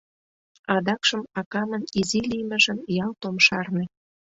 Адакшым акамын изи лиймыжым ялт ом шарне.